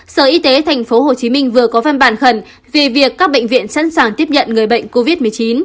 sở y tế tp hcm vừa có văn bản khẩn về việc các bệnh viện sẵn sàng tiếp nhận người bệnh covid một mươi chín